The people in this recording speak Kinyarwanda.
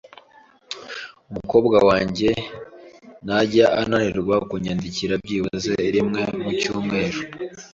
Umukobwa wanjye ntajya ananirwa kunyandikira byibuze rimwe mu cyumweru .